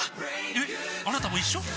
えっあなたも一緒？